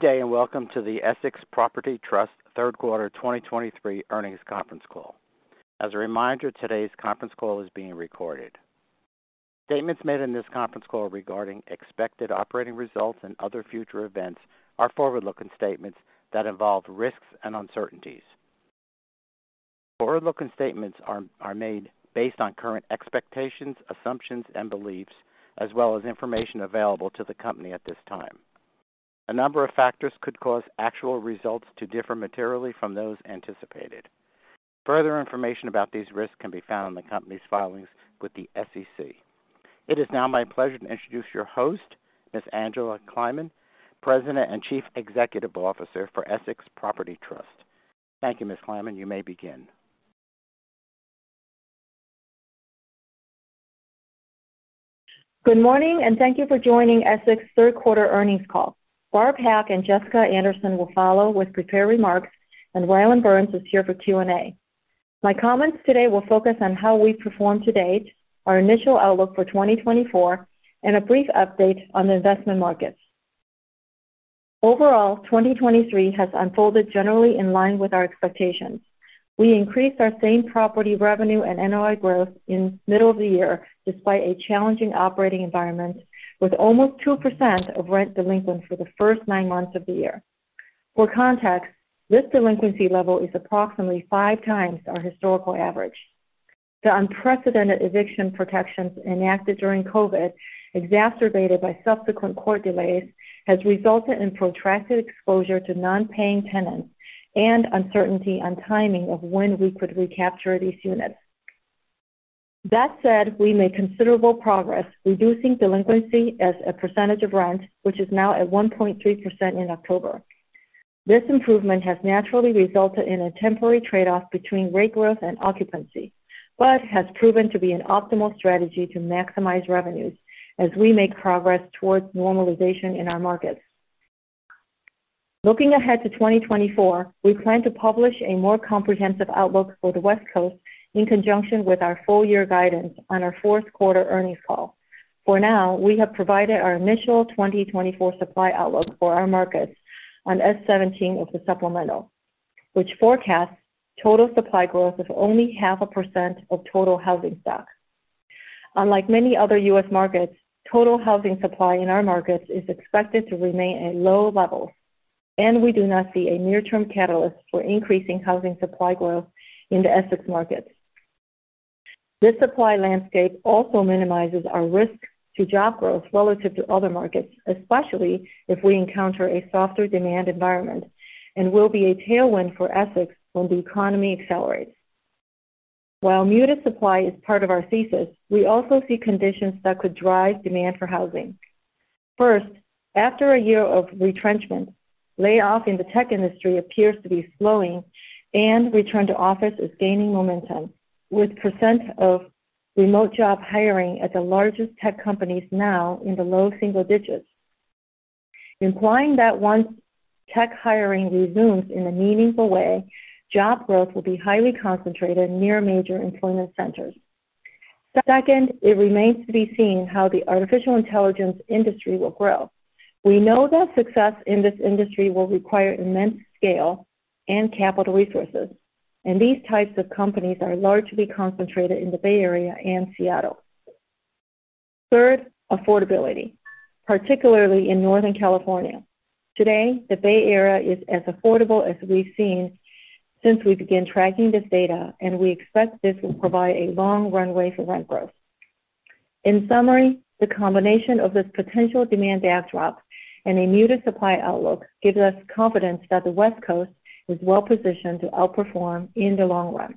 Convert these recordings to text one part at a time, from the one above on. Good day, and welcome to the Essex Property Trust Q3 2023 Earnings Conference Call. As a reminder, today's conference call is being recorded. Statements made in this conference call regarding expected operating results and other future events are forward-looking statements that involve risks and uncertainties. Forward-looking statements are made based on current expectations, assumptions, and beliefs, as well as information available to the company at this time. A number of factors could cause actual results to differ materially from those anticipated. Further information about these risks can be found in the company's filings with the SEC. It is now my pleasure to introduce your host, Ms. Angela Kleiman, President and Chief Executive Officer for Essex Property Trust. Thank you, Ms. Kleiman. You may begin. Good morning, and thank you for joining Essex Q3 earnings call. Barb Pak and Jessica Anderson will follow with prepared remarks, and Rylan Burns is here for Q&A. My comments today will focus on how we've performed to date, our initial outlook for 2024, and a brief update on the investment markets. Overall, 2023 has unfolded generally in line with our expectations. We increased our same property revenue and NOI growth in middle of the year, despite a challenging operating environment, with almost 2% of rent delinquent for the first nine months of the year. For context, this delinquency level is approximately five times our historical average. The unprecedented eviction protections enacted during COVID, exacerbated by subsequent court delays, has resulted in protracted exposure to non-paying tenants and uncertainty on timing of when we could recapture these units. That said, we made considerable progress reducing delinquency as a percentage of rent, which is now at 1.3% in October. This improvement has naturally resulted in a temporary trade-off between rate growth and occupancy, but has proven to be an optimal strategy to maximize revenues as we make progress towards normalization in our markets. Looking ahead to 2024, we plan to publish a more comprehensive outlook for the West Coast in conjunction with our full year guidance on our Q4 earnings call. For now, we have provided our initial 2024 supply outlook for our markets on S-17 of the supplemental, which forecasts total supply growth of only 0.5% of total housing stock. Unlike many other U.S. markets, total housing supply in our markets is expected to remain at low levels, and we do not see a near-term catalyst for increasing housing supply growth in the Essex markets. This supply landscape also minimizes our risk to job growth relative to other markets, especially if we encounter a softer demand environment, and will be a tailwind for Essex when the economy accelerates. While muted supply is part of our thesis, we also see conditions that could drive demand for housing. First, after a year of retrenchment, layoffs in the tech industry appears to be slowing, and return to office is gaining momentum, with percent of remote job hiring at the largest tech companies now in the low single digits, implying that once tech hiring resumes in a meaningful way, job growth will be highly concentrated near major employment centers. Second, it remains to be seen how the artificial intelligence industry will grow. We know that success in this industry will require immense scale and capital resources, and these types of companies are largely concentrated in the Bay Area and Seattle. Third, affordability, particularly in Northern California. Today, the Bay Area is as affordable as we've seen since we began tracking this data, and we expect this will provide a long runway for rent growth. In summary, the combination of this potential demand backdrop and a muted supply outlook gives us confidence that the West Coast is well positioned to outperform in the long run.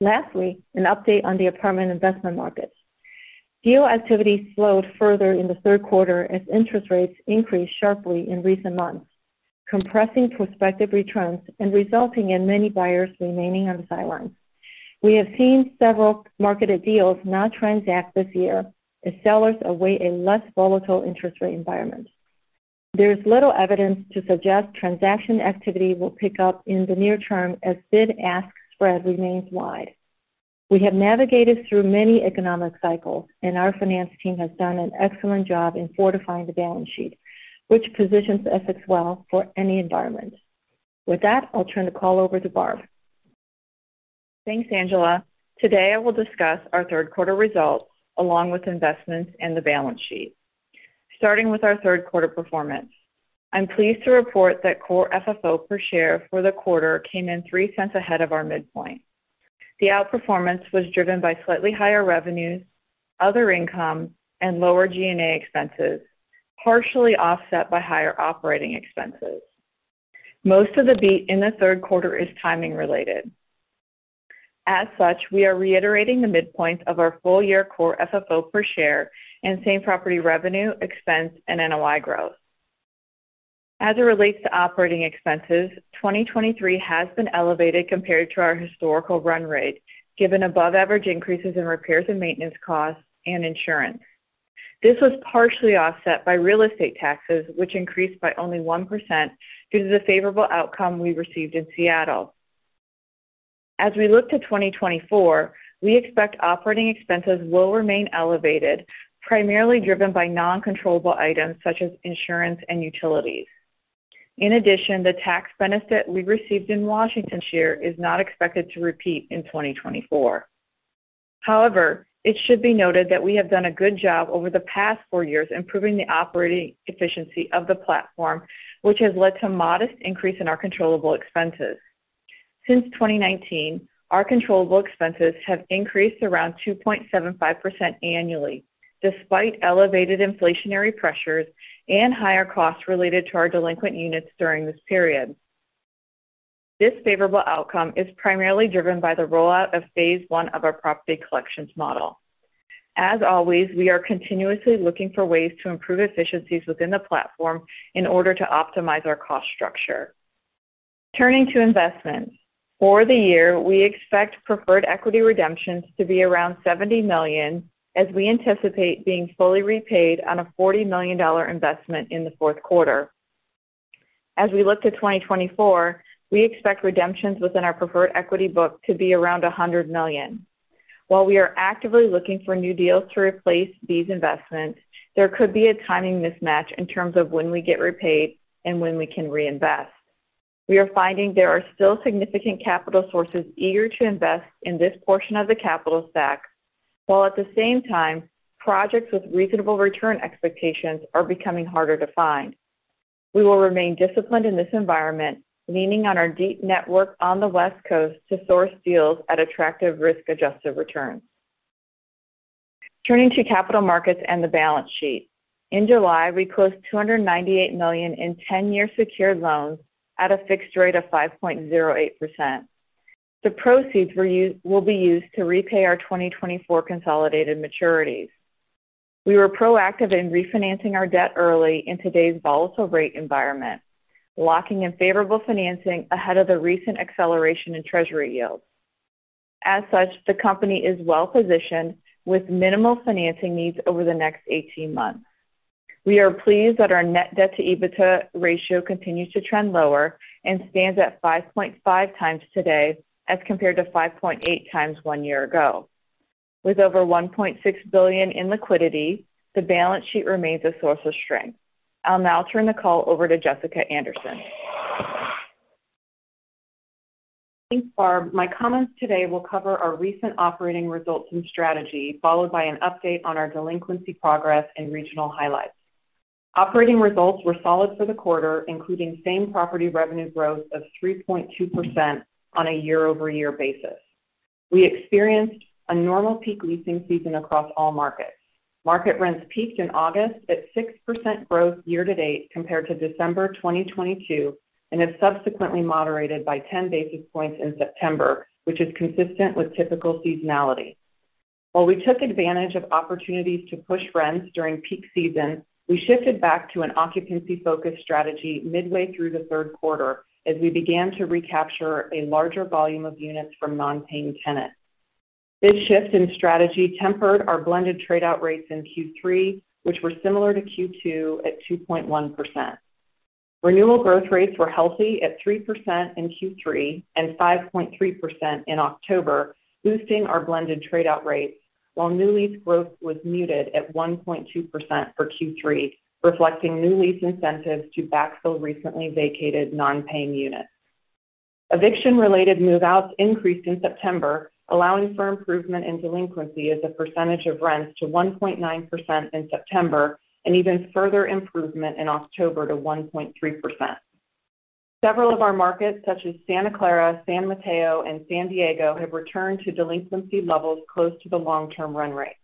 Lastly, an update on the apartment investment markets. Deal activity slowed further in the Q3 as interest rates increased sharply in recent months, compressing prospective returns and resulting in many buyers remaining on the sidelines. We have seen several marketed deals not transact this year as sellers await a less volatile interest rate environment. There is little evidence to suggest transaction activity will pick up in the near term, as Bid-Ask Spread remains wide. We have navigated through many economic cycles, and our finance team has done an excellent job in fortifying the balance sheet, which positions Essex well for any environment. With that, I'll turn the call over to Barb. Thanks, Angela. Today, I will discuss our Q3 results, along with investments and the balance sheet. Starting with our Q3 performance. I'm pleased to report that Core FFO per share for the quarter came in $0.03 ahead of our midpoint. The outperformance was driven by slightly higher revenues, other income, and lower G&A expenses, partially offset by higher operating expenses. Most of the beat in the Q3 is timing related. As such, we are reiterating the midpoint of our full-year Core FFO per share and same-property revenue, expense, and NOI growth. As it relates to operating expenses, 2023 has been elevated compared to our historical run rate, given above average increases in repairs and maintenance costs and insurance. This was partially offset by real estate taxes, which increased by only 1% due to the favorable outcome we received in Seattle. As we look to 2024, we expect operating expenses will remain elevated, primarily driven by non-controllable items such as insurance and utilities. In addition, the tax benefit we received in Washington this year is not expected to repeat in 2024. However, it should be noted that we have done a good job over the past four years, improving the operating efficiency of the platform, which has led to modest increase in our controllable expenses. Since 2019, our controllable expenses have increased around 2.75% annually, despite elevated inflationary pressures and higher costs related to our delinquent units during this period. This favorable outcome is primarily driven by the rollout of phase I of our property collections model. As always, we are continuously looking for ways to improve efficiencies within the platform in order to optimize our cost structure. Turning to investments. For the year, we expect preferred equity redemptions to be around $70 million, as we anticipate being fully repaid on a $40 million investment in the Q4. As we look to 2024, we expect redemptions within our preferred equity book to be around $100 million. While we are actively looking for new deals to replace these investments, there could be a timing mismatch in terms of when we get repaid and when we can reinvest. We are finding there are still significant capital sources eager to invest in this portion of the capital stack, while at the same time, projects with reasonable return expectations are becoming harder to find. We will remain disciplined in this environment, leaning on our deep network on the West Coast to source deals at attractive risk-adjusted returns. Turning to capital markets and the balance sheet. In July, we closed $298 million in 10-year secured loans at a fixed rate of 5.08%. The proceeds will be used to repay our 2024 consolidated maturities. We were proactive in refinancing our debt early in today's volatile rate environment, locking in favorable financing ahead of the recent acceleration in treasury yields. As such, the company is well positioned with minimal financing needs over the next 18 months. We are pleased that our net debt to EBITDA ratio continues to trend lower and stands at 5.5 times today, as compared to 5.8 times one year ago. With over $1.6 billion in liquidity, the balance sheet remains a source of strength. I'll now turn the call over to Jessica Anderson. Thanks, Barb. My comments today will cover our recent operating results and strategy, followed by an update on our delinquency progress and regional highlights. Operating results were solid for the quarter, including same-property revenue growth of 3.2% on a year-over-year basis. We experienced a normal peak leasing season across all markets. Market rents peaked in August at 6% growth year-to-date, compared to December 2022, and have subsequently moderated by 10 basis points in September, which is consistent with typical seasonality. While we took advantage of opportunities to push rents during peak season, we shifted back to an occupancy-focused strategy midway through the Q3 as we began to recapture a larger volume of units from non-paying tenants. This shift in strategy tempered our blended trade-out rates in Q3, which were similar to Q2 at 2.1%. Renewal growth rates were healthy at 3% in Q3 and 5.3% in October, boosting our blended trade-out rates, while new lease growth was muted at 1.2% for Q3, reflecting new lease incentives to backfill recently vacated non-paying units. Eviction-related move-outs increased in September, allowing for improvement in delinquency as a percentage of rents to 1.9% in September, and even further improvement in October to 1.3%. Several of our markets, such as Santa Clara, San Mateo, and San Diego, have returned to delinquency levels close to the long-term run rate.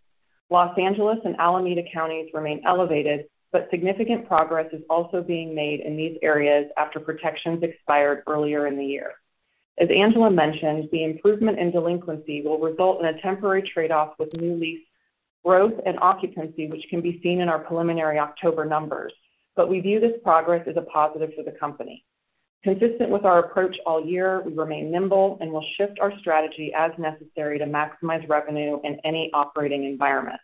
Los Angeles and Alameda Counties remain elevated, but significant progress is also being made in these areas after protections expired earlier in the year. As Angela mentioned, the improvement in delinquency will result in a temporary trade-off with new lease growth and occupancy, which can be seen in our preliminary October numbers, but we view this progress as a positive for the company. Consistent with our approach all year, we remain nimble and will shift our strategy as necessary to maximize revenue in any operating environment.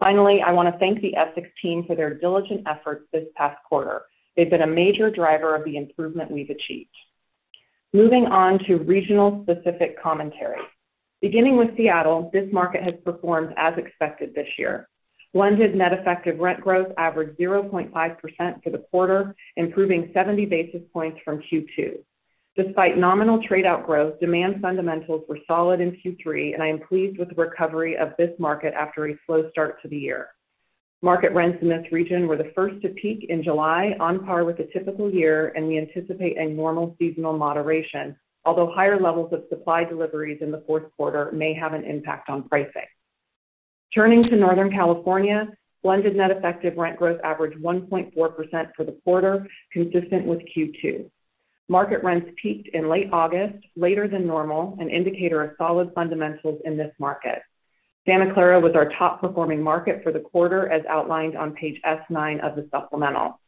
Finally, I want to thank the Essex team for their diligent efforts this past quarter. They've been a major driver of the improvement we've achieved. Moving on to region-specific commentary. Beginning with Seattle, this market has performed as expected this year. Blended net effective rent growth averaged 0.5% for the quarter, improving 70 basis points from Q2. Despite nominal trade-out growth, demand fundamentals were solid in Q3, and I am pleased with the recovery of this market after a slow start to the year. Market rents in this region were the first to peak in July, on par with a typical year, and we anticipate a normal seasonal moderation, although higher levels of supply deliveries in the Q4 may have an impact on pricing. Turning to Northern California, blended net effective rent growth averaged 1.4% for the quarter, consistent with Q2. Market rents peaked in late August, later than normal, an indicator of solid fundamentals in this market. Santa Clara was our top-performing market for the quarter, as outlined on page S9 of the supplemental....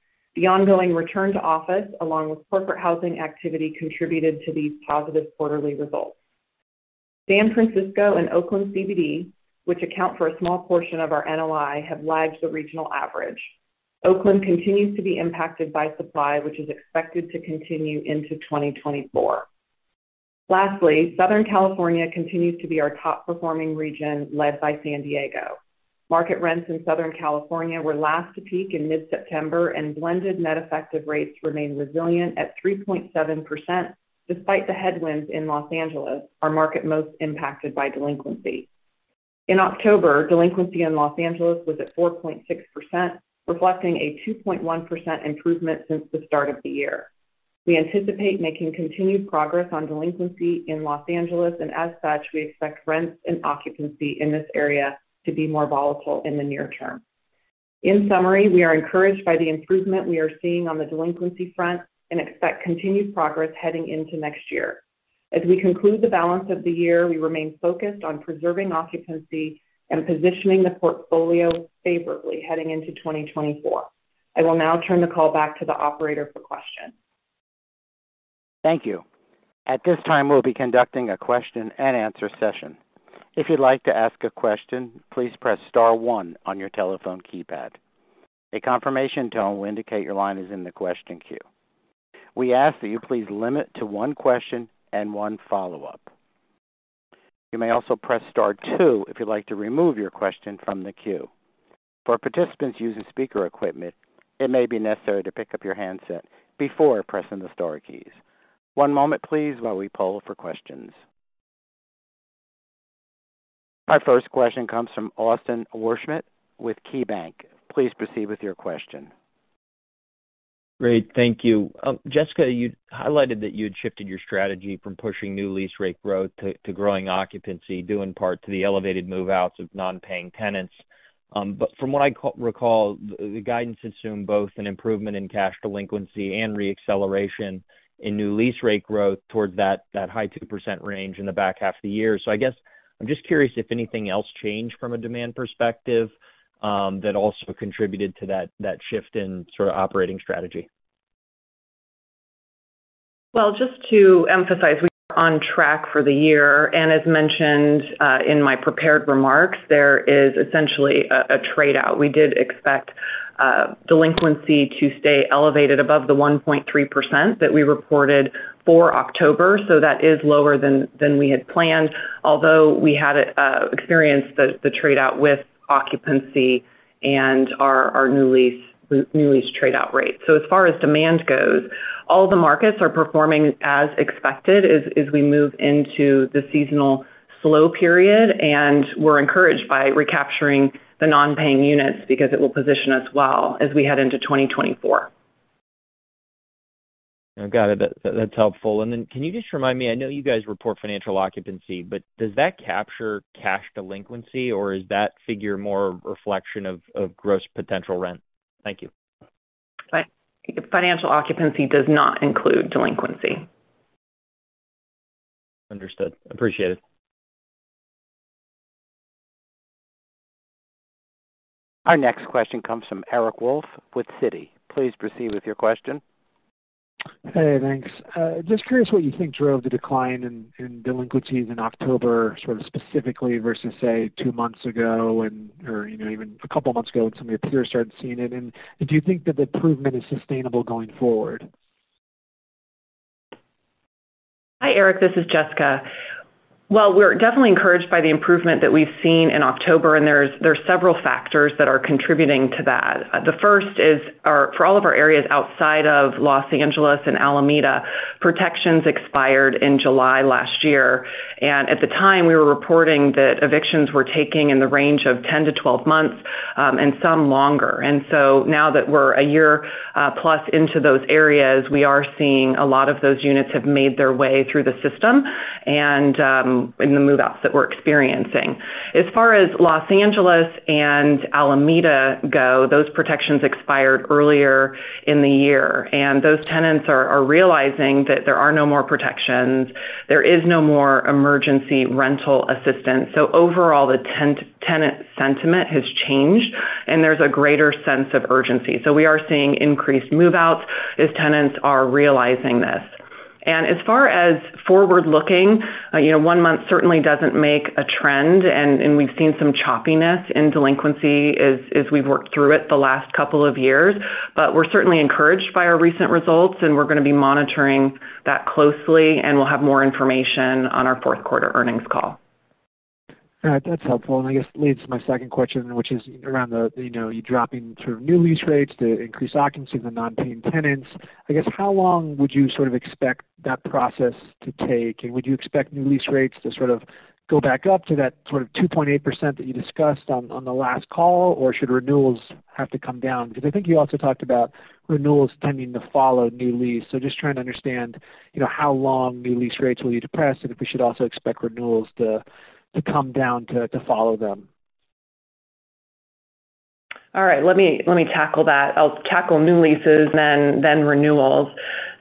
San Francisco and Oakland CBD, which account for a small portion of our NOI, have lagged the regional average. Oakland continues to be impacted by supply, which is expected to continue into 2024. Lastly, Southern California continues to be our top performing region, led by San Diego. Market rents in Southern California were last to peak in mid-September, and blended net effective rates remained resilient at 3.7%, despite the headwinds in Los Angeles, our market most impacted by delinquency. In October, delinquency in Los Angeles was at 4.6%, reflecting a 2.1% improvement since the start of the year. We anticipate making continued progress on delinquency in Los Angeles, and as such, we expect rents and occupancy in this area to be more volatile in the near term. In summary, we are encouraged by the improvement we are seeing on the delinquency front and expect continued progress heading into next year. As we conclude the balance of the year, we remain focused on preserving occupancy and positioning the portfolio favorably heading into 2024. I will now turn the call back to the operator for questions. Thank you. At this time, we'll be conducting a question and answer session. If you'd like to ask a question, please press star one on your telephone keypad. A confirmation tone will indicate your line is in the question queue. We ask that you please limit to one question and one follow-up. You may also press star two if you'd like to remove your question from the queue. For participants using speaker equipment, it may be necessary to pick up your handset before pressing the star keys. One moment please, while we poll for questions. Our first question comes from Austin Wurschmidt with KeyBanc. Please proceed with your question. Great, thank you. Jessica, you highlighted that you had shifted your strategy from pushing new lease rate growth to growing occupancy, due in part to the elevated move-outs of non-paying tenants. But from what I recall, the guidance assumed both an improvement in cash delinquency and re-acceleration in new lease rate growth towards that high 2% range in the back half of the year. So I guess I'm just curious if anything else changed from a demand perspective that also contributed to that shift in sort of operating strategy? Well, just to emphasize, we are on track for the year. As mentioned, in my prepared remarks, there is essentially a trade-out. We did expect delinquency to stay elevated above the 1.3% that we reported for October, so that is lower than we had planned. Although we had experienced the trade-out with occupancy and our new lease trade-out rate. As far as demand goes, all the markets are performing as expected as we move into the seasonal slow period. We're encouraged by recapturing the non-paying units because it will position us well as we head into 2024. I got it. That, that's helpful. And then can you just remind me, I know you guys report financial occupancy, but does that capture cash delinquency, or is that figure more a reflection of, of gross potential rent? Thank you. Financial occupancy does not include delinquency. Understood. Appreciate it. Our next question comes from Eric Wolfe with Citi. Please proceed with your question. Hey, thanks. Just curious what you think drove the decline in delinquencies in October, sort of specifically versus, say, two months ago and, or, you know, even a couple months ago, when some of your peers started seeing it. And do you think that the improvement is sustainable going forward? Hi, Eric, this is Jessica. Well, we're definitely encouraged by the improvement that we've seen in October, and there's several factors that are contributing to that. The first is, for all of our areas outside of Los Angeles and Alameda, protections expired in July last year, and at the time, we were reporting that evictions were taking in the range of 10-12 months, and some longer. And so now that we're a year plus into those areas, we are seeing a lot of those units have made their way through the system and in the move-outs that we're experiencing. As far as Los Angeles and Alameda go, those protections expired earlier in the year, and those tenants are realizing that there are no more protections. There is no more emergency rental assistance. So overall, the tenant sentiment has changed, and there's a greater sense of urgency. So we are seeing increased move-outs as tenants are realizing this. And as far as forward-looking, you know, one month certainly doesn't make a trend, and we've seen some choppiness in delinquency as we've worked through it the last couple of years. But we're certainly encouraged by our recent results, and we're going to be monitoring that closely, and we'll have more information on our Q4 earnings call. All right. That's helpful, and I guess leads to my second question, which is around the, you know, you dropping sort of new lease rates to increase occupancy of the non-paying tenants. I guess, how long would you sort of expect that process to take? And would you expect new lease rates to sort of go back up to that sort of 2.8% that you discussed on, on the last call? Or should renewals have to come down? Because I think you also talked about renewals tending to follow new leases. So just trying to understand, you know, how long new lease rates will be depressed, and if we should also expect renewals to, to come down to, to follow them. All right, let me, let me tackle that. I'll tackle new leases then, then renewals.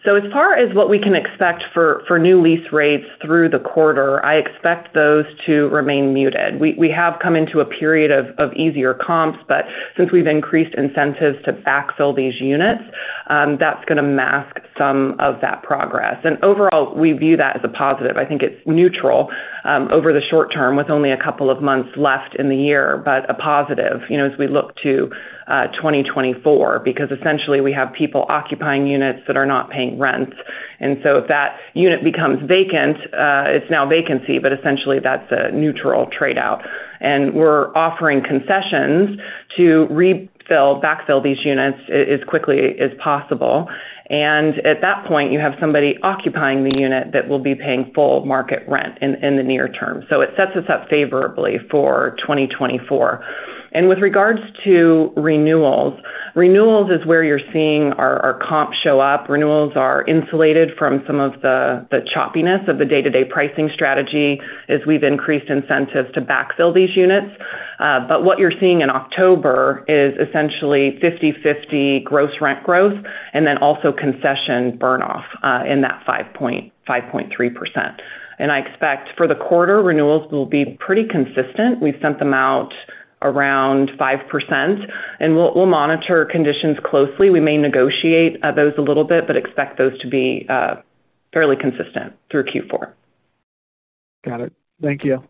So as far as what we can expect for, for new lease rates through the quarter, I expect those to remain muted. We, we have come into a period of, of easier comps, but since we've increased incentives to backfill these units, that's gonna mask some of that progress. And overall, we view that as a positive. I think it's neutral, over the short term, with only a couple of months left in the year, but a positive, you know, as we look to 2024, because essentially, we have people occupying units that are not paying rents. And so if that unit becomes vacant, it's now vacancy, but essentially that's a neutral trade-out. And we're offering concessions to backfill these units as quickly as possible. And at that point, you have somebody occupying the unit that will be paying full market rent in the near term. So it sets us up favorably for 2024. And with regards to renewals, renewals is where you're seeing our comps show up. Renewals are insulated from some of the the choppiness of the day-to-day pricing strategy as we've increased incentives to backfill these units. But what you're seeing in October is essentially 50/50 gross rent growth and then also concession burn off in that 5.3%. And I expect for the quarter, renewals will be pretty consistent. We've sent them out around 5%, and we'll monitor conditions closely. We may negotiate those a little bit, but expect those to be fairly consistent through Q4. Got it. Thank you.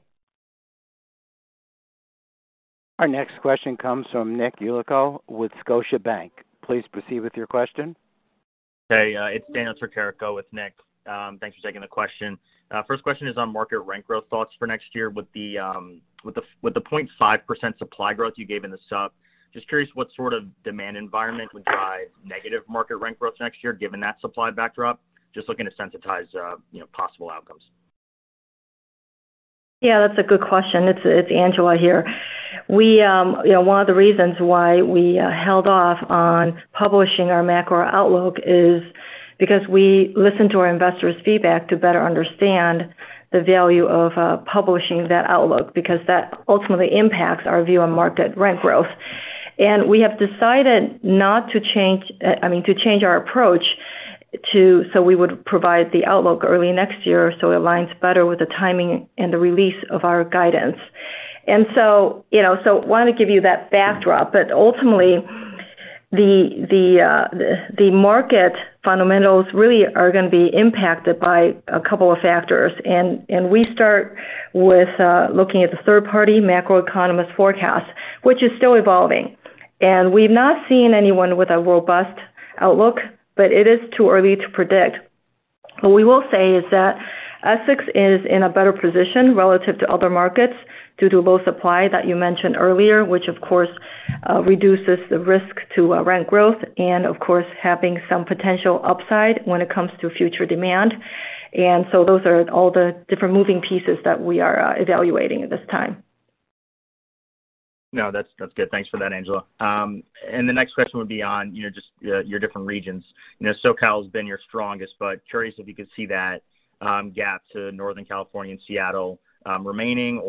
Our next question comes from Nick Yulico with Scotiabank. Please proceed with your question. Hey, it's Dan Tricarico with Nick. Thanks for taking the question. First question is on market rent growth thoughts for next year with the 0.5% supply growth you gave in the sup. Just curious, what sort of demand environment would drive negative market rent growth next year, given that supply backdrop? Just looking to sensitize, you know, possible outcomes. Yeah, that's a good question. It's, it's Angela here. We, you know, one of the reasons why we held off on publishing our macro outlook is because we listened to our investors' feedback to better understand the value of publishing that outlook, because that ultimately impacts our view on market rent growth. And we have decided not to change, I mean, to change our approach to—so we would provide the outlook early next year, so it aligns better with the timing and the release of our guidance. And so, you know, so wanted to give you that backdrop, but ultimately, the market fundamentals really are gonna be impacted by a couple of factors. And we start with looking at the third-party macro economist forecast, which is still evolving. We've not seen anyone with a robust outlook, but it is too early to predict. What we will say is that Essex is in a better position relative to other markets due to low supply that you mentioned earlier, which of course reduces the risk to rent growth and, of course, having some potential upside when it comes to future demand. And so those are all the different moving pieces that we are evaluating at this time. No, that's, that's good. Thanks for that, Angela. The next question would be on, you know, just your different regions. You know, SoCal has been your strongest, but curious if you could see that gap to Northern California and Seattle remaining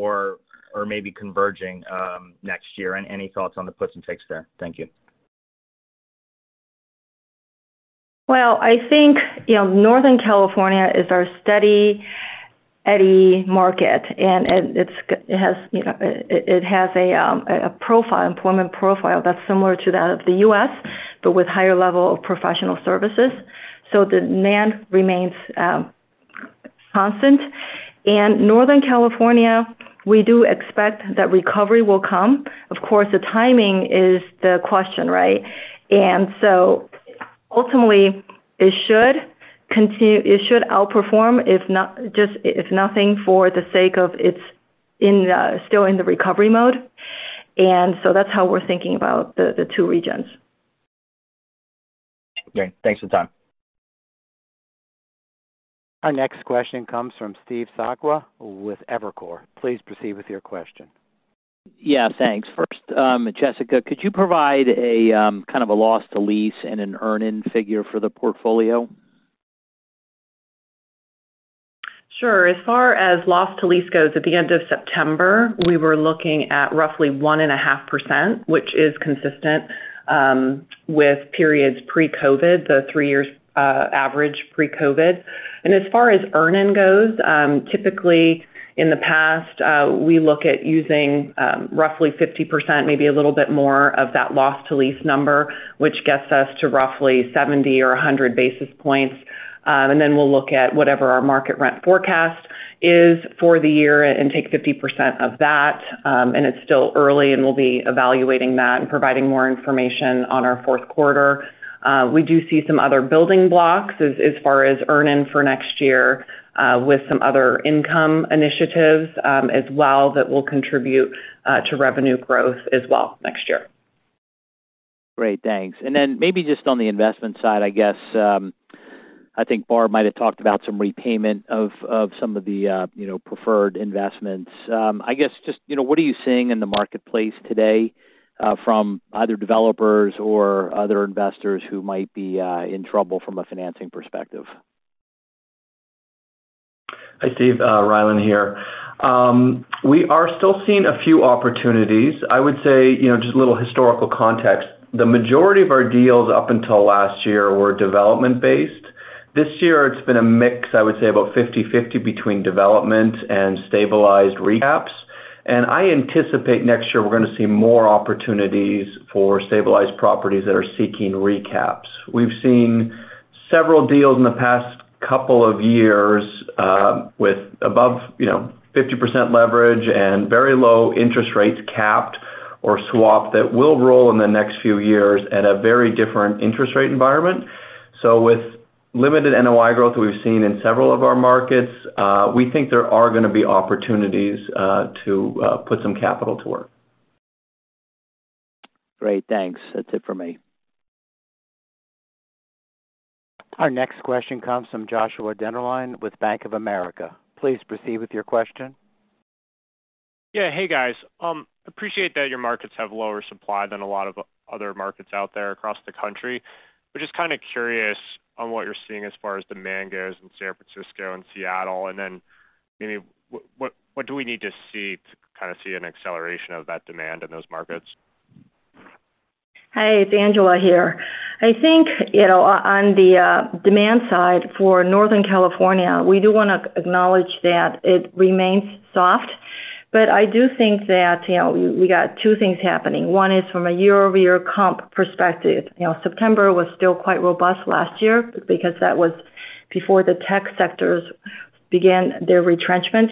or maybe converging next year. And any thoughts on the puts and takes there? Thank you. Well, I think, you know, Northern California is our steady eddy market, and it has, you know, it has a profile, employment profile that's similar to that of the U.S., but with higher level of professional services, so the demand remains constant. And Northern California, we do expect that recovery will come. Of course, the timing is the question, right? And so ultimately, it should continue. It should outperform, if not, just, if nothing for the sake of it's in the still in the recovery mode. And so that's how we're thinking about the two regions. Great. Thanks for the time. Our next question comes from Steve Sakwa with Evercore. Please proceed with your question. Yeah, thanks. First, Jessica, could you provide a kind of a Loss to Lease and an Earn-In figure for the portfolio? Sure. As far as Loss to Lease goes, at the end of September, we were looking at roughly 1.5%, which is consistent with periods pre-COVID, the 3-year average pre-COVID. And as far as Earn-In goes, typically, in the past, we look at using roughly 50%, maybe a little bit more of that Loss to Lease number, which gets us to roughly 70 or 100 basis points. And then we'll look at whatever our Market Rent forecast is for the year and take 50% of that. And it's still early, and we'll be evaluating that and providing more information on our Q4. We do see some other building blocks as far as earn-in for next year, with some other income initiatives as well, that will contribute to revenue growth as well next year. Great, thanks. And then maybe just on the investment side, I guess, I think Barb might have talked about some repayment of, of some of the, you know, preferred investments. I guess just, you know, what are you seeing in the marketplace today, from either developers or other investors who might be, in trouble from a financing perspective? Hi, Steve, Rylan here. We are still seeing a few opportunities. I would say, you know, just a little historical context. The majority of our deals up until last year were development-based. This year it's been a mix, I would say, about 50/50 between development and stabilized recaps. I anticipate next year we're gonna see more opportunities for stabilized properties that are seeking recaps. We've seen several deals in the past couple of years, with above, you know, 50% leverage and very low interest rates, capped or swapped, that will roll in the next few years at a very different interest rate environment. So with limited NOI growth we've seen in several of our markets, we think there are gonna be opportunities to put some capital to work. Great, thanks. That's it for me. Our next question comes from Joshua Dennerlein with Bank of America. Please proceed with your question. Yeah. Hey, guys. Appreciate that your markets have lower supply than a lot of other markets out there across the country. We're just kind of curious on what you're seeing as far as demand goes in San Francisco and Seattle, and then, maybe, what do we need to see to kind of see an acceleration of that demand in those markets? Hey, it's Angela here. I think, you know, on the demand side for Northern California, we do want to acknowledge that it remains soft. But I do think that, you know, we got two things happening. One is from a year-over-year comp perspective. You know, September was still quite robust last year because that was before the tech sectors began their retrenchment.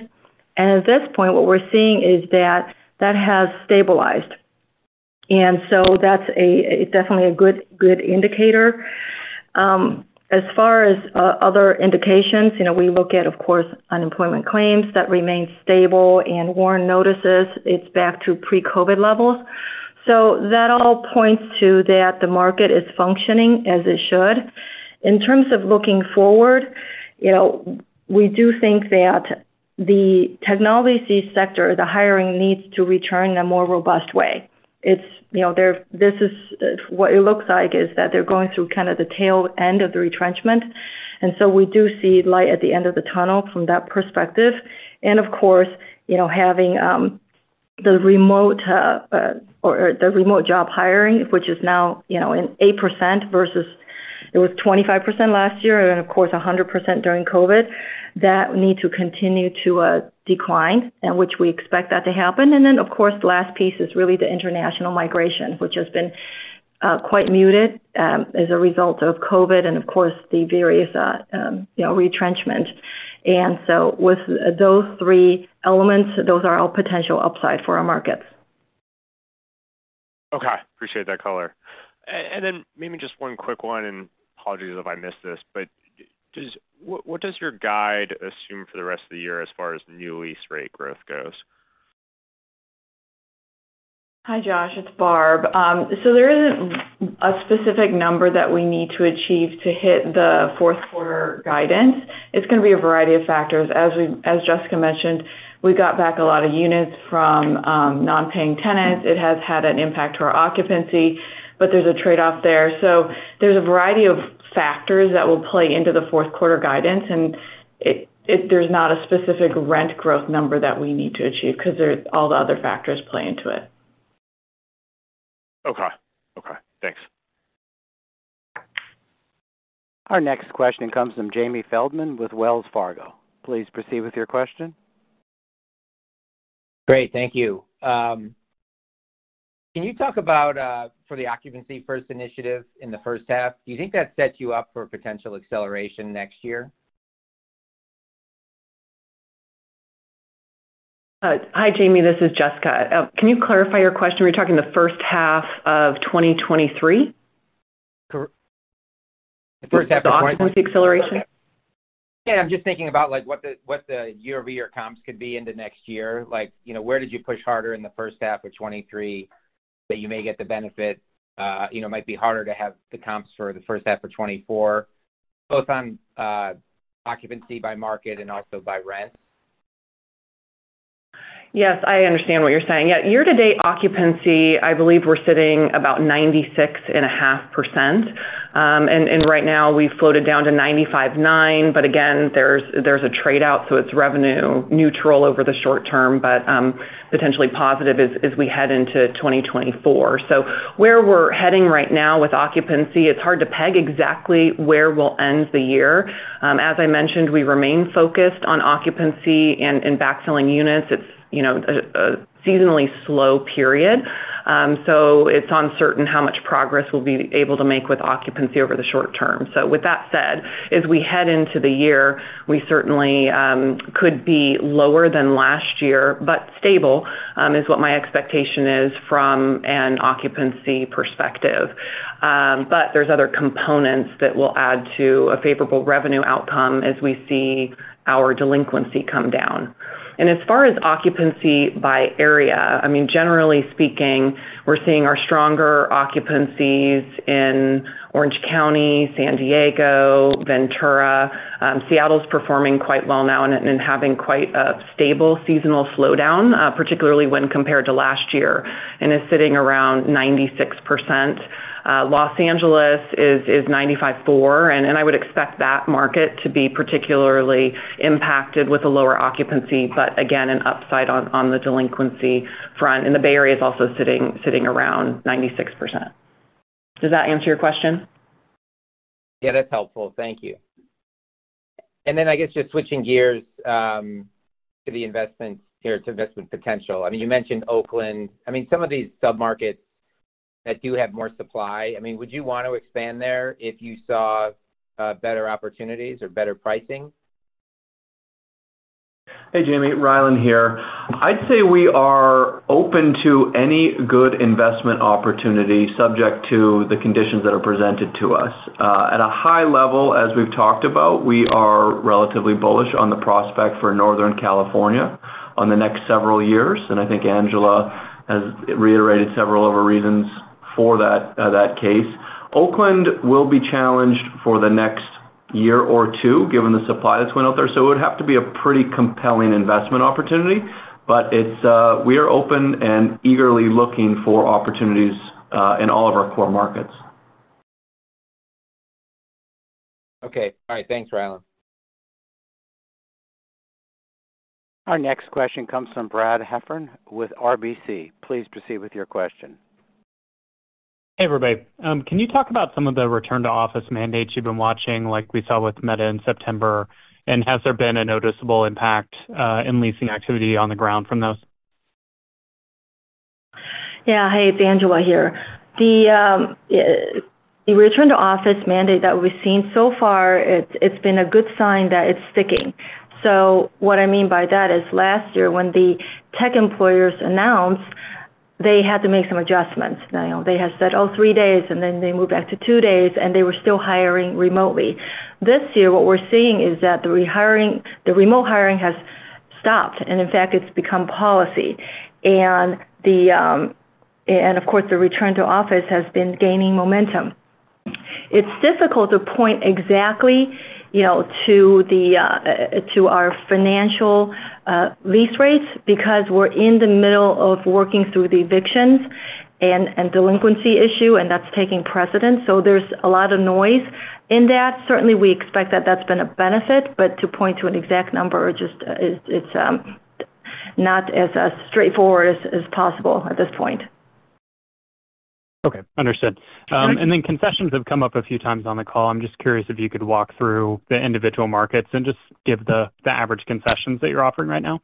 And at this point, what we're seeing is that that has stabilized. And so that's definitely a good indicator. As far as other indications, you know, we look at, of course, unemployment claims that remain stable, and WARN notices, it's back to pre-COVID levels. So that all points to that the market is functioning as it should. In terms of looking forward, you know, we do think that the technology sector, the hiring needs to return in a more robust way. It's you know, there this is What it looks like is that they're going through kind of the tail end of the retrenchment, and so we do see light at the end of the tunnel from that perspective. And of course, you know, having the remote job hiring, which is now, you know, in 8% versus it was 25% last year, and of course, 100% during COVID, that need to continue to decline, and which we expect that to happen. And then, of course, the last piece is really the international migration, which has been quite muted as a result of COVID and of course, the various you know, retrenchment. And so with those three elements, those are all potential upside for our markets. Okay. Appreciate that color. And then maybe just one quick one, and apologies if I missed this, but does... What, what does your guide assume for the rest of the year as far as new lease rate growth goes? Hi, Josh, it's Barb. So there isn't a specific number that we need to achieve to hit the Q4 guidance. It's gonna be a variety of factors. As Jessica mentioned, we got back a lot of units from non-paying tenants. It has had an impact to our occupancy, but there's a trade-off there. So there's a variety of factors that will play into the Q4 guidance, and there's not a specific rent growth number that we need to achieve because all the other factors play into it. Okay. Okay, thanks. Our next question comes from Jamie Feldman with Wells Fargo. Please proceed with your question. Great, thank you. Can you talk about, for the occupancy first initiative in the H1, do you think that sets you up for potential acceleration next year? Hi, Jamie, this is Jessica. Can you clarify your question? We're talking the H1 of 2023? The H1 of 2023. The occupancy acceleration. Yeah, I'm just thinking about, like, what the year-over-year comps could be in the next year. Like, you know, where did you push harder in the H1 of 2023, that you may get the benefit, you know, might be harder to have the comps for the H1 of 2024, both on occupancy by market and also by rent. Yes, I understand what you're saying. Yeah, year-to-date occupancy, I believe we're sitting about 96.5%. And right now, we've floated down to 95.9, but again, there's a trade-out, so it's revenue neutral over the short term, but potentially positive as we head into 2024. So where we're heading right now with occupancy, it's hard to peg exactly where we'll end the year. As I mentioned, we remain focused on occupancy and backfilling units. It's, you know, a seasonally slow period, so it's uncertain how much progress we'll be able to make with occupancy over the short term. So with that said, as we head into the year, we certainly could be lower than last year, but stable is what my expectation is from an occupancy perspective. But there's other components that will add to a favorable revenue outcome as we see our delinquency come down. And as far as occupancy by area, I mean, generally speaking, we're seeing our stronger occupancies in Orange County, San Diego, Ventura. Seattle's performing quite well now and having quite a stable seasonal slowdown, particularly when compared to last year, and is sitting around 96%. Los Angeles is 95.4%, and I would expect that market to be particularly impacted with a lower occupancy, but again, an upside on the delinquency front, and the Bay Area is also sitting around 96%. Does that answer your question? Yeah, that's helpful. Thank you. Then I guess just switching gears to the investment here, to investment potential. I mean, you mentioned Oakland. I mean, some of these submarkets that do have more supply, I mean, would you want to expand there if you saw better opportunities or better pricing? Hey, Jamie, Rylan here. I'd say we are open to any good investment opportunity, subject to the conditions that are presented to us. At a high level, as we've talked about, we are relatively bullish on the prospect for Northern California on the next several years, and I think Angela has reiterated several of the reasons for that case. Oakland will be challenged for the next year or two, given the supply that's went out there, so it would have to be a pretty compelling investment opportunity. But it's we are open and eagerly looking for opportunities in all of our core markets. Okay. All right. Thanks, Rylan. Our next question comes from Brad Heffern with RBC. Please proceed with your question. Hey, everybody. Can you talk about some of the return-to-office mandates you've been watching, like we saw with Meta in September? Has there been a noticeable impact in leasing activity on the ground from those? Yeah. Hey, it's Angela here. The return-to-office mandate that we've seen so far, it's been a good sign that it's sticking. So what I mean by that is last year, when the tech employers announced, they had to make some adjustments. You know, they had said, "Oh, three days," and then they moved back to two days, and they were still hiring remotely. This year, what we're seeing is that the rehiring, the remote hiring has stopped, and in fact, it's become policy. And the, and of course, the return to office has been gaining momentum. It's difficult to point exactly, you know, to the, to our financial lease rates, because we're in the middle of working through the evictions and delinquency issue, and that's taking precedence, so there's a lot of noise in that. Certainly, we expect that that's been a benefit, but to point to an exact number, it's not as straightforward as possible at this point. Okay, understood. And then concessions have come up a few times on the call. I'm just curious if you could walk through the individual markets and just give the average concessions that you're offering right now.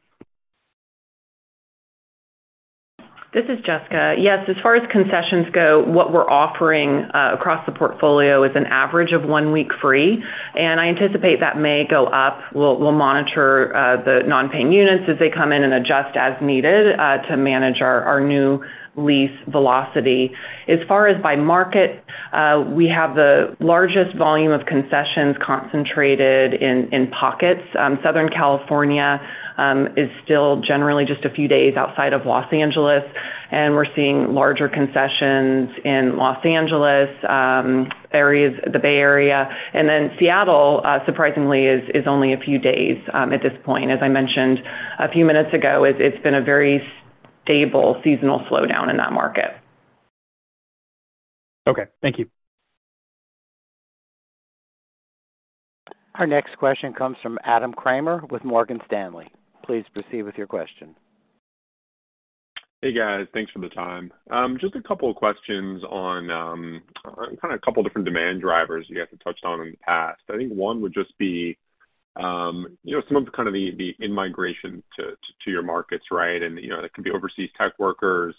This is Jessica. Yes, as far as concessions go, what we're offering across the portfolio is an average of one week free, and I anticipate that may go up. We'll monitor the non-paying units as they come in and adjust as needed to manage our new lease velocity. As far as by market, we have the largest volume of concessions concentrated in pockets. Southern California is still generally just a few days outside of Los Angeles, and we're seeing larger concessions in Los Angeles areas... the Bay Area. And then Seattle, surprisingly, is only a few days at this point. As I mentioned a few minutes ago, it's been a very stable seasonal slowdown in that market. Okay, thank you. Our next question comes from Adam Kramer with Morgan Stanley. Please proceed with your question. Hey, guys. Thanks for the time. Just a couple of questions on, kind of a couple different demand drivers you guys have touched on in the past. I think one would just be, you know, some of the kind of the in-migration to, to your markets, right? And, you know, that could be overseas tech workers,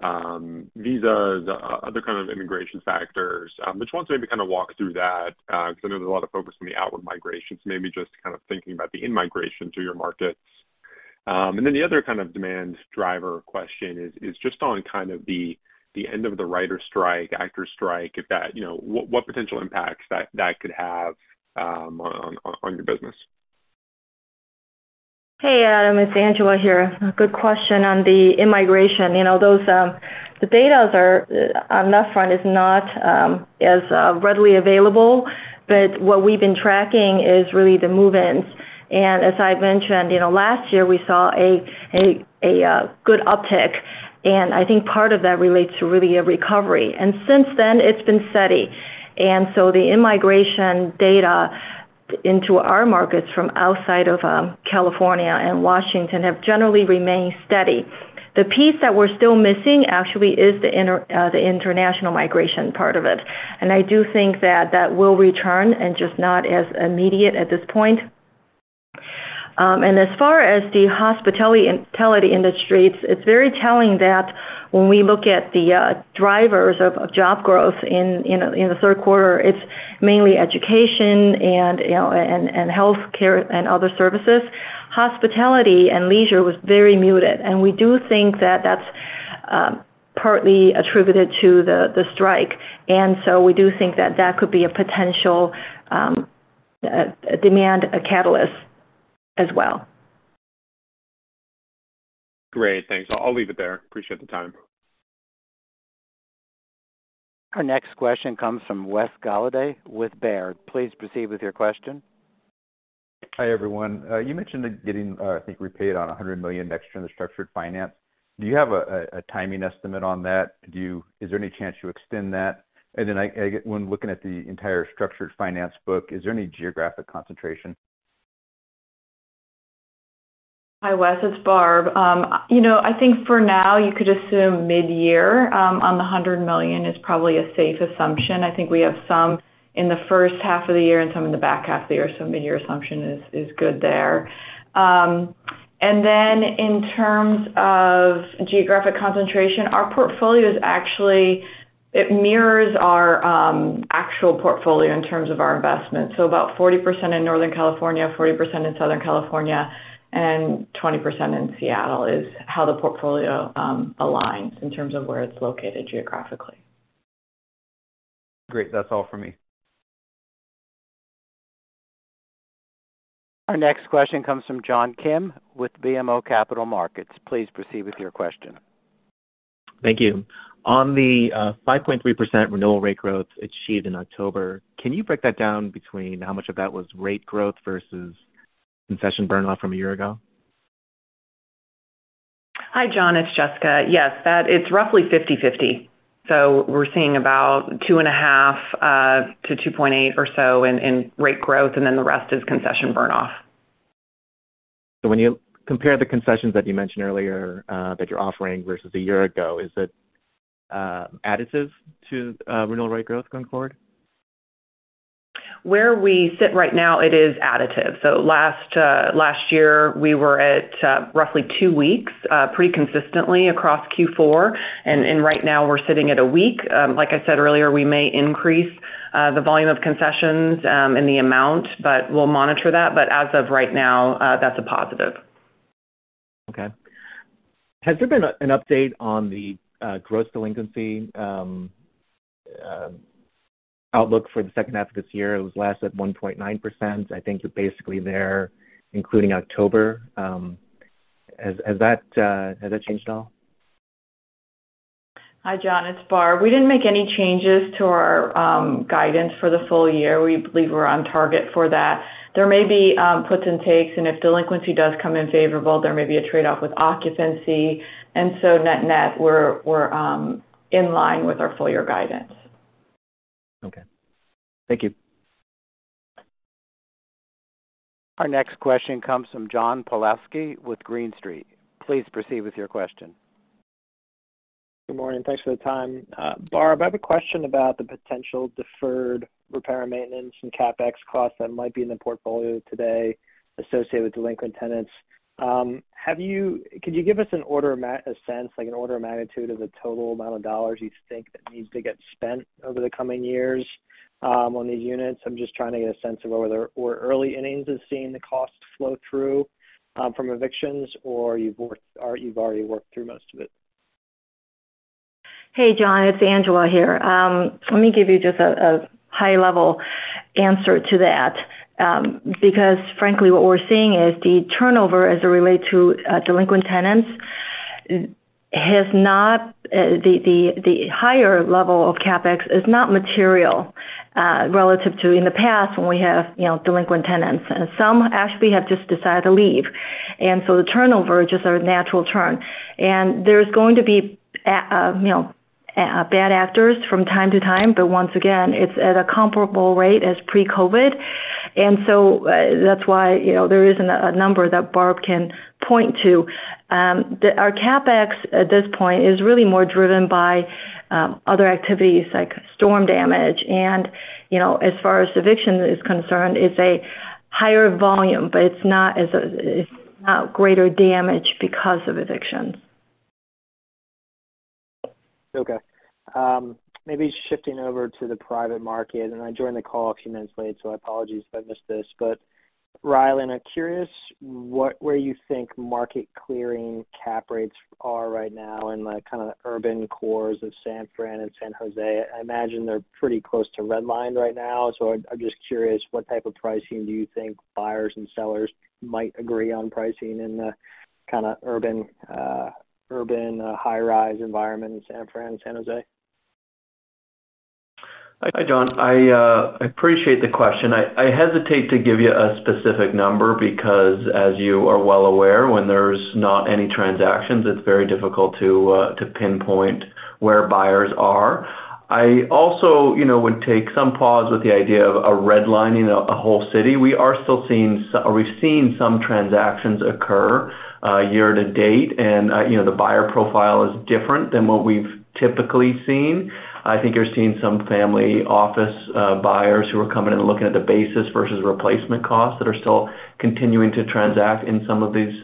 visas, other kind of immigration factors. Just want to maybe kind of walk through that, because I know there's a lot of focus on the outward migrations, so maybe just kind of thinking about the in-migration to your markets. And then the other kind of demand driver question is just on kind of the end of the writer strike, actors strike, if that, you know... What potential impacts that could have, on your business? Hey, Adam, it's Angela here. Good question on the immigration. You know, the data on that front is not as readily available, but what we've been tracking is really the move-ins. And as I've mentioned, you know, last year we saw a good uptick, and I think part of that relates to really a recovery. And since then, it's been steady. And so the in-migration data into our markets from outside of California and Washington have generally remained steady. The piece that we're still missing actually is the international migration part of it. And I do think that that will return, and just not as immediate at this point. And as far as the hospitality industry, it's very telling that when we look at the drivers of job growth in the Q3, it's mainly education and, you know, and healthcare and other services. Hospitality and leisure was very muted, and we do think that that's partly attributed to the strike, and so we do think that that could be a potential demand catalyst as well. Great. Thanks. I'll leave it there. Appreciate the time. Our next question comes from Wes Golladay with Baird. Please proceed with your question. Hi, everyone. You mentioned getting, I think, repaid on $100 million extra in the structured finance. Do you have a timing estimate on that? Do you—is there any chance you extend that? And then I, when looking at the entire structured finance book, is there any geographic concentration? Hi, Wes, it's Barb. You know, I think for now, you could assume mid-year on the $100 million is probably a safe assumption. I think we have some in the H1 of the year and some in the back half of the year, so mid-year assumption is good there. And then in terms of geographic concentration, our portfolio is actually. It mirrors our actual portfolio in terms of our investment. So about 40% in Northern California, 40% in Southern California, and 20% in Seattle is how the portfolio aligns in terms of where it's located geographically. Great. That's all for me. Our next question comes from John Kim with BMO Capital Markets. Please proceed with your question. Thank you. On the 5.3% renewal rate growth achieved in October, can you break that down between how much of that was rate growth versus concession burn-off from a year ago? Hi, John, it's Jessica. Yes, that it's roughly 50/50. So we're seeing about 2.5 to 2.8 or so in rate growth, and then the rest is concession burn-off. So when you compare the concessions that you mentioned earlier that you're offering versus a year ago, is it additive to renewal rate growth going forward? Where we sit right now, it is additive. So last year, we were at roughly two weeks pretty consistently across Q4, and right now we're sitting at a week. Like I said earlier, we may increase the volume of concessions and the amount, but we'll monitor that. But as of right now, that's a positive. Okay. Has there been an update on the gross delinquency outlook for the H2 of this year? It was last at 1.9%. I think you're basically there, including October. Has that changed at all? Hi, John, it's Barb. We didn't make any changes to our guidance for the full year. We believe we're on target for that. There may be puts and takes, and if delinquency does come in favorable, there may be a trade-off with occupancy. And so net-net, we're in line with our full year guidance. Okay. Thank you. Our next question comes from John Pawlowski with Green Street. Please proceed with your question. Good morning, thanks for the time. Barb, I have a question about the potential deferred repair, maintenance, and CapEx costs that might be in the portfolio today associated with delinquent tenants. Can you give us a sense, like an order of magnitude of the total amount of dollars you think that needs to get spent over the coming years, on these units? I'm just trying to get a sense of whether we're early innings of seeing the costs flow through, from evictions, or you've already worked through most of it. Hey, John, it's Angela here. Let me give you just a high-level answer to that. Because frankly, what we're seeing is the turnover as it relate to delinquent tenants has not the higher level of CapEx is not material relative to in the past when we have, you know, delinquent tenants. And some actually have just decided to leave. And so the turnover is just a natural turn. And there's going to be a you know bad actors from time to time, but once again, it's at a comparable rate as pre-COVID. And so that's why, you know, there isn't a number that Barb can point to. The our CapEx at this point is really more driven by other activities like storm damage. You know, as far as eviction is concerned, it's a higher volume, but it's not greater damage because of evictions. Okay. Maybe shifting over to the private market, and I joined the call a few minutes late, so I apologies if I missed this. But, Rylan, I'm curious, what-- where you think market clearing cap rates are right now in, like, kind of urban cores of San Fran and San Jose? I imagine they're pretty close to redline right now, so I'm, I'm just curious, what type of pricing do you think buyers and sellers might agree on pricing in the kind of urban, urban high-rise environment in San Fran and San Jose? Hi, John. I appreciate the question. I hesitate to give you a specific number because as you are well aware, when there's not any transactions, it's very difficult to pinpoint where buyers are. I also, you know, would take some pause with the idea of redlining a whole city. We are still seeing some or we've seen some transactions occur year to date, and, you know, the buyer profile is different than what we've typically seen. I think you're seeing some family office buyers who are coming in and looking at the basis versus replacement costs that are still continuing to transact in some of these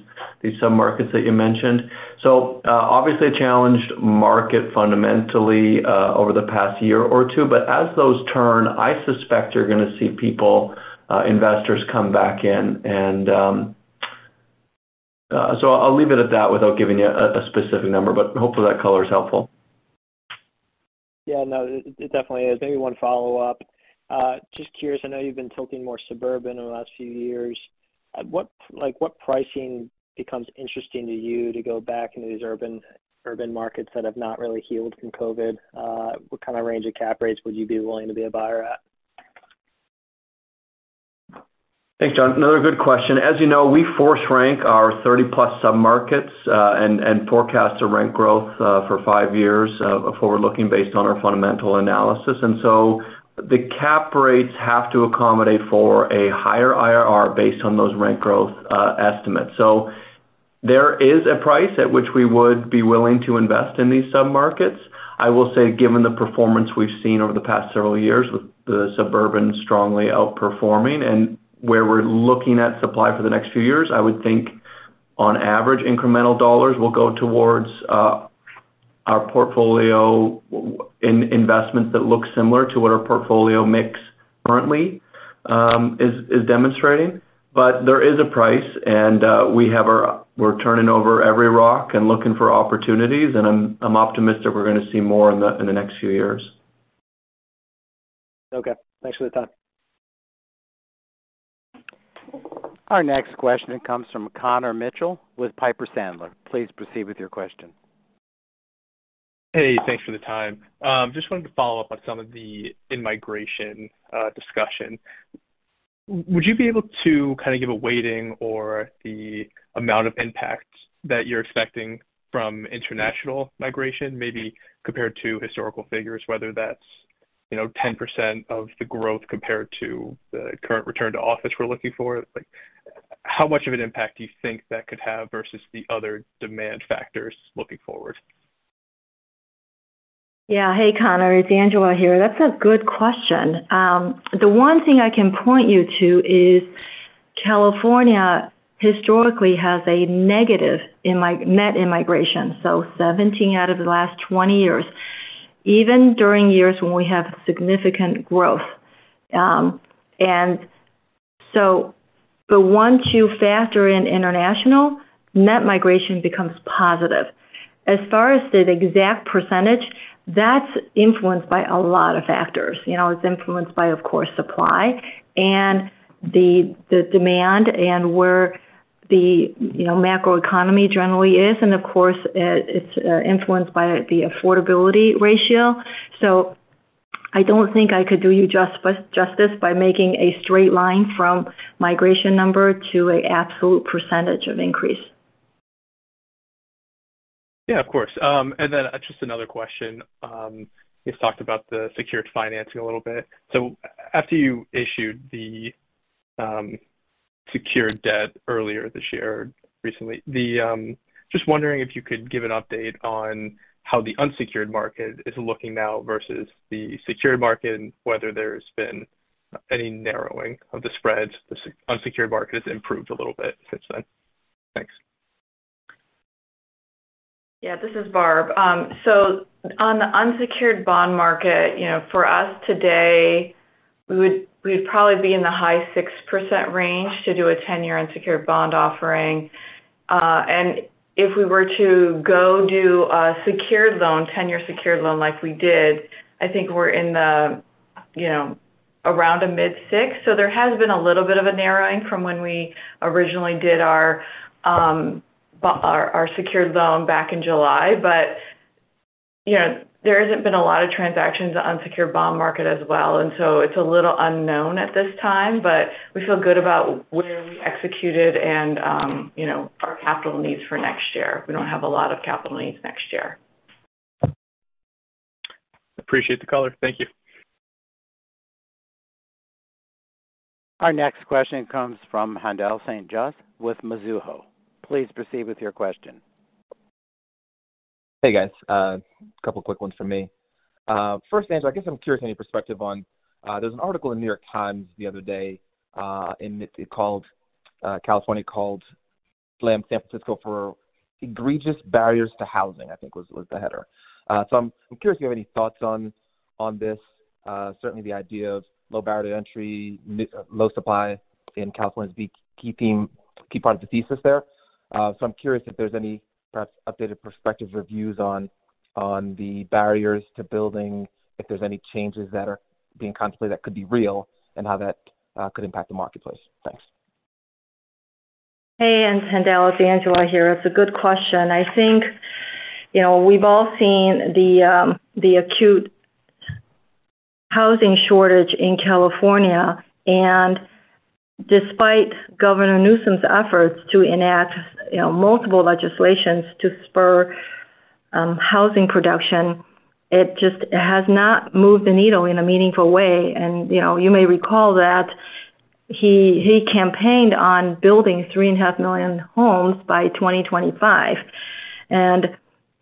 submarkets that you mentioned. So, obviously a challenged market fundamentally over the past year or two. But as those turn, I suspect you're gonna see people investors come back in. I'll leave it at that without giving you a specific number, but hopefully that color is helpful. Yeah, no, it definitely is. Maybe one follow-up. Just curious, I know you've been tilting more suburban in the last few years. What—like, what pricing becomes interesting to you to go back into these urban, urban markets that have not really healed from COVID? What kind of range of cap rates would you be willing to be a buyer at? Thanks, John. Another good question. As you know, we force rank our 30-plus submarkets, and forecast the rent growth, for 5 years, forward-looking, based on our fundamental analysis. And so the cap rates have to accommodate for a higher IRR based on those rent growth, estimates. So, there is a price at which we would be willing to invest in these submarkets. I will say, given the performance we've seen over the past several years, with the suburban strongly outperforming and where we're looking at supply for the next few years, I would think on average, incremental dollars will go towards, our portfolio in investments that look similar to what our portfolio mix currently, is demonstrating. But there is a price, and we're turning over every rock and looking for opportunities, and I'm optimistic we're gonna see more in the next few years. Okay, thanks for the time. Our next question comes from Connor Mitchell with Piper Sandler. Please proceed with your question. Hey, thanks for the time. Just wanted to follow up on some of the in-migration discussion. Would you be able to kind of give a weighting or the amount of impact that you're expecting from international migration, maybe compared to historical figures, whether that's, you know, 10% of the growth compared to the current return to office we're looking for? Like, how much of an impact do you think that could have versus the other demand factors looking forward? Yeah. Hey, Connor, it's Angela here. That's a good question. The one thing I can point you to is California historically has a negative net immigration, so 17 out of the last 20 years, even during years when we have significant growth. And so but once you factor in international, net migration becomes positive. As far as the exact percentage, that's influenced by a lot of factors. You know, it's influenced by, of course, supply and the demand and where the macroeconomy generally is. And of course, it's influenced by the affordability ratio. So I don't think I could do you justice by making a straight line from migration number to an absolute percentage of increase. Yeah, of course. And then just another question. You've talked about the secured financing a little bit. So after you issued the secured debt earlier this year, recently, the... Just wondering if you could give an update on how the unsecured market is looking now versus the secured market, and whether there's been any narrowing of the spreads, the unsecured market has improved a little bit since then. Thanks. Yeah, this is Barb. So on the unsecured bond market, you know, for us today, we would, we'd probably be in the high 6% range to do a 10-year unsecured bond offering. And if we were to go do a secured loan, 10-year secured loan, like we did, I think we're in the, you know, around a mid 6%. So there has been a little bit of a narrowing from when we originally did our secured loan back in July. But, you know, there hasn't been a lot of transactions on unsecured bond market as well, and so it's a little unknown at this time, but we feel good about where we executed and, you know, our capital needs for next year. We don't have a lot of capital needs next year. Appreciate the color. Thank you. Our next question comes from Haendel St. Juste with Mizuho. Please proceed with your question. Hey, guys. A couple quick ones from me. First, Angela, I guess I'm curious on your perspective on, there's an article in New York Times the other day, and it, it called, California, called "Blame San Francisco for Egregious Barriers to Housing," I think was, was the header. So I'm, I'm curious if you have any thoughts on, on this? Certainly the idea of low barrier to entry, mi- low supply in California, be keeping, key parts of the thesis there. So I'm curious if there's any perhaps updated perspective reviews on, on the barriers to building, if there's any changes that are being contemplated that could be real and how that, could impact the marketplace. Thanks. Hey, Haendel, it's Angela here. It's a good question. I think, you know, we've all seen the acute housing shortage in California, and despite Governor Newsom's efforts to enact, you know, multiple legislations to spur housing production, it just has not moved the needle in a meaningful way. And, you know, you may recall that he campaigned on building 3.5 million homes by 2025, and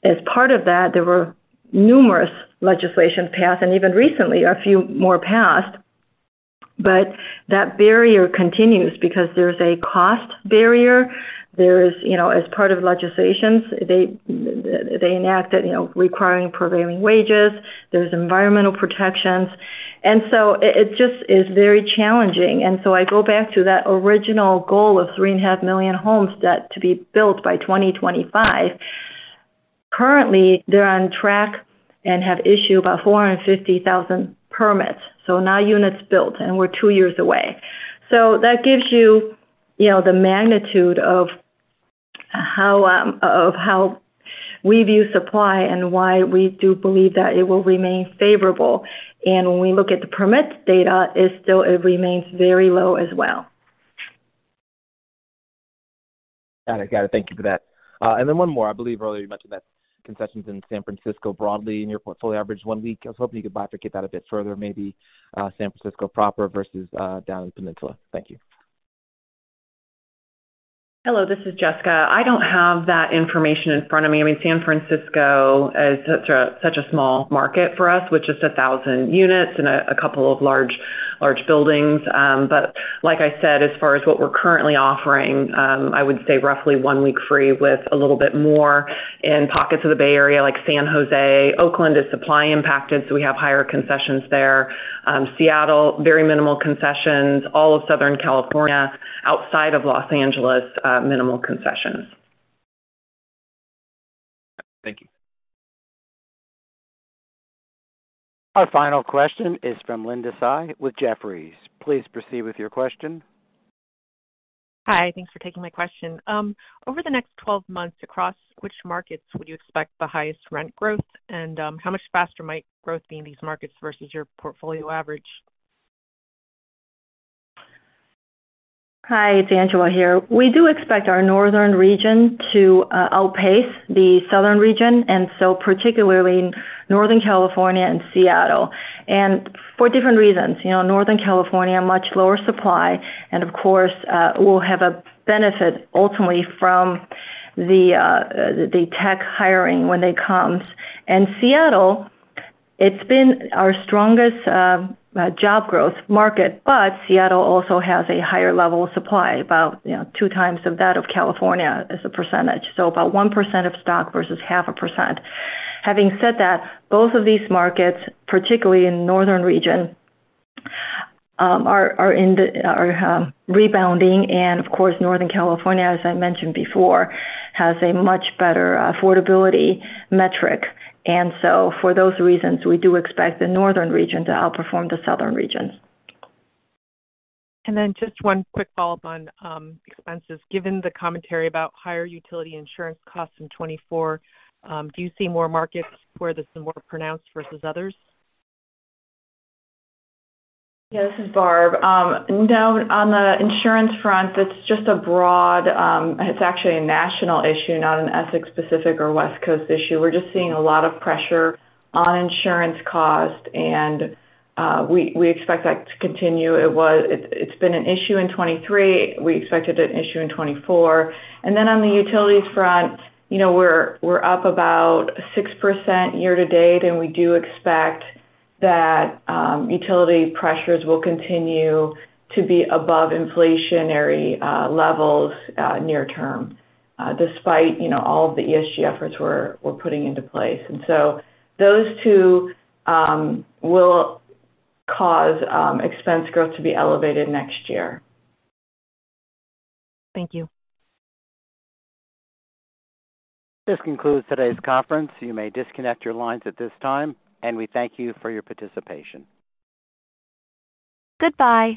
as part of that, there were numerous legislations passed, and even recently, a few more passed. But that barrier continues because there's a cost barrier. There is, you know, as part of legislations, they enacted, you know, requiring prevailing wages. There's environmental protections. And so it just is very challenging. And so I go back to that original goal of 3.5 million homes to be built by 2025. Currently, they're on track and have issued about 450,000 permits, so not units built, and we're two years away. So that gives you, you know, the magnitude of how, of how we view supply and why we do believe that it will remain favorable. And when we look at the permits data, it's still, it remains very low as well. Got it. Got it. Thank you for that... And then one more. I believe earlier you mentioned that concessions in San Francisco broadly in your portfolio average one week. I was hoping you could bifurcate that a bit further, maybe, San Francisco proper versus, down in Peninsula. Thank you. Hello, this is Jessica. I don't have that information in front of me. I mean, San Francisco is such a small market for us, with just 1,000 units and a couple of large buildings. But like I said, as far as what we're currently offering, I would say roughly one week free with a little bit more in pockets of the Bay Area like San Jose. Oakland is supply impacted, so we have higher concessions there. Seattle, very minimal concessions. All of Southern California outside of Los Angeles, minimal concessions. Thank you. Our final question is from Linda Tsai with Jefferies. Please proceed with your question. Hi, thanks for taking my question. Over the next 12 months across, which markets would you expect the highest rent growth? And, how much faster might growth be in these markets versus your portfolio average? Hi, it's Angela here. We do expect our northern region to outpace the southern region, and so particularly Northern California and Seattle. For different reasons. You know, Northern California, much lower supply and of course will have a benefit ultimately from the the tech hiring when it comes. And Seattle, it's been our strongest job growth market, but Seattle also has a higher level of supply, about, you know, two times of that of California as a percentage, so about 1% of stock versus 0.5%. Having said that, both of these markets, particularly in northern region, are rebounding. And of course, Northern California, as I mentioned before, has a much better affordability metric. And so for those reasons, we do expect the northern region to outperform the southern region. Then just one quick follow-up on expenses. Given the commentary about higher utility insurance costs in 2024, do you see more markets where this is more pronounced versus others? Yeah, this is Barb. No, on the insurance front, that's just a broad. It's actually a national issue, not an Essex-specific or West Coast issue. We're just seeing a lot of pressure on insurance costs, and we expect that to continue. It's been an issue in 2023. We expect it an issue in 2024. And then on the utilities front, you know, we're up about 6% year to date, and we do expect that utility pressures will continue to be above inflationary levels near term, despite you know, all of the ESG efforts we're putting into place. And so those two will cause expense growth to be elevated next year. Thank you. This concludes today's conference. You may disconnect your lines at this time, and we thank you for your participation. Goodbye.